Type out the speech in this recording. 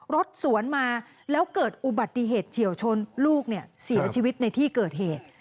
รถสวนมาแล้วเกิดอุบัติเหตุเฉียวชนลูกเนี่ยเสียชีวิตในที่เกิดเหตุ